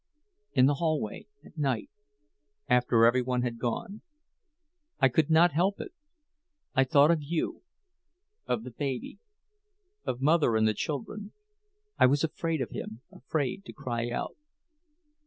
"In the hallway—at night—after every one had gone. I could not help it. I thought of you—of the baby—of mother and the children. I was afraid of him—afraid to cry out."